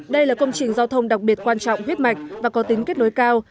đây là công trình giao thông đặc biệt quan trọng huyết mạch và có tính kết nối cao